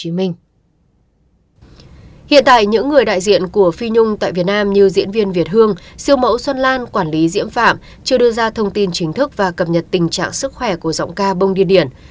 hiện tại những người đại diện của phi nhung tại việt nam như diễn viên việt hương siêu mẫu xuân lan quản lý diễm phạm chưa đưa ra thông tin chính thức và cập nhật tình trạng sức khỏe của giọng ca bông đi điển